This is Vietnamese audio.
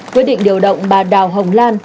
quyết định điều động bà đào hồng lan